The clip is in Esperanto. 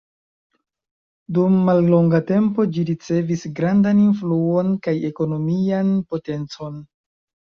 Dum mallonga tempo ĝi ricevis grandan influon kaj ekonomian potencon.